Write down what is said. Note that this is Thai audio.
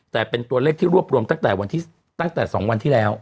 แต่เป็นตัวเลขที่รวบรวมตั้งแต่๒วันที่แล้ว